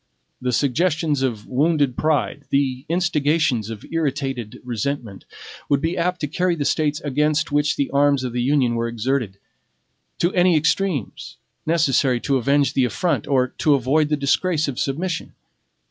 The suggestions of wounded pride, the instigations of irritated resentment, would be apt to carry the States against which the arms of the Union were exerted, to any extremes necessary to avenge the affront or to avoid the disgrace of submission.